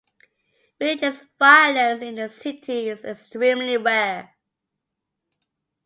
Religious violence in the city is extremely rare.